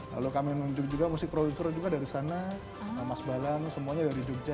lalu kami nunjuk juga musik produser juga dari sana mas balan semuanya dari jogja